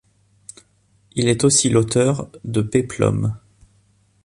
Il est aussi l'auteur de péplums.